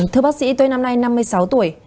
thưa bác sĩ tôi năm nay năm mươi sáu tuổi